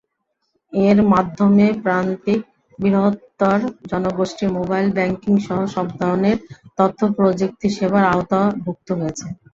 এর মাধ্যমে প্রান্তিক বৃহত্তর জনগোষ্ঠী মোবাইল ব্যাংকিংসহ সব ধরনের তথ্যপ্রযুক্তিসেবার আওতাভুক্ত হয়েছে।